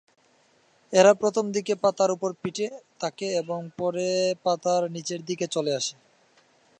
এরা প্রথমদিকে পাতার ওপর পিঠে থাকে এবং পরে পাতার নিচের দিকে চলে আসে।